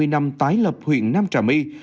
hai mươi năm tái lập huyện nam trà my